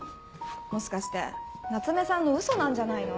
もしかして夏目さんのウソなんじゃないの？